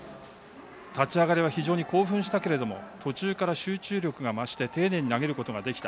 立ち上がりは非常に興奮したけれども途中から集中力が増して丁寧に投げることができた。